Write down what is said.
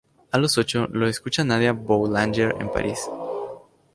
A los ocho, lo escucha Nadia Boulanger en París.